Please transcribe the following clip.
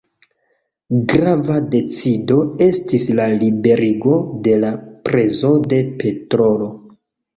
Grava decido estis la liberigo de la prezo de petrolo.